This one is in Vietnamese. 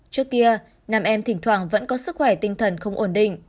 trước kia nam em thỉnh thoảng vẫn có sức khỏe tinh thần không ổn định